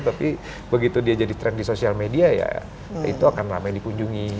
tapi begitu dia jadi tren di sosial media ya itu akan ramai dikunjungi